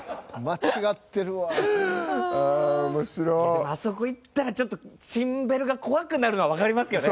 でもあそこ行ったらちょっとチンベルが怖くなるのはわかりますけどね。